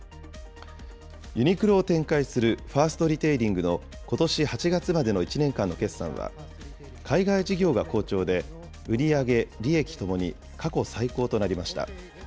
ユニクロを展開するファーストリテイリングのことし８月までの１年間の決算は、海外事業が好調で、売り上げ、利益ともに過去最高となりました。